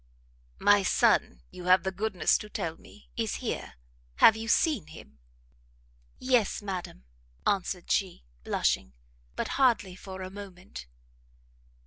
"My son, you have the goodness to tell me, is here, have you seen him?" "Yes, madam," answered she, blushing, "but hardly for a moment."